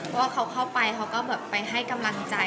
เพราะว่าเขาเข้าไปเขาก็แบบไปให้กำลังใจ